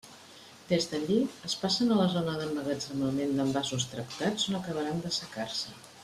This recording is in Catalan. Des d'allí, es passen a la zona d'emmagatzemament d'envasos tractats, on acabaran d'assecar-se.